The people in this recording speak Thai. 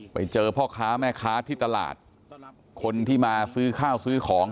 ไปเจอพ่อค้าแม่ค้าที่ตลาดคนที่มาซื้อข้าวซื้อของ